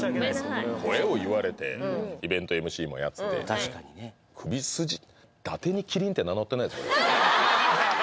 声を言われてイベントＭＣもやって確かにね首筋だてに「麒麟」って名乗ってないですよ